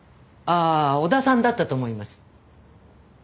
ああ小田さんだったと思います。